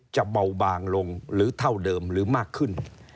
จะเบาบางลงหรือเท่าเดิมหรือมากขึ้น